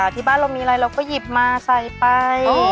ที่บ้านเรามีอะไรเราก็หยิบมาใส่ไป